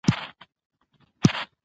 طلا د افغانستان د طبعي سیسټم توازن ساتي.